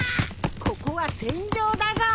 ここは戦場だぞ！